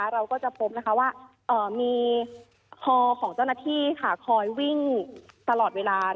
เราก็จะพบว่ามีฮอของเจ้าหน้าที่คอยวิ่งตลอดเวลา